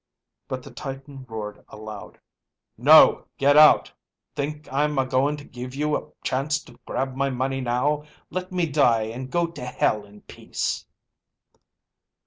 But the Titan roared aloud: "No; get out. Think I'm a going to give you a chance to grab my money now? Let me die and go to hell in peace."